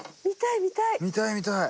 見たい見たい！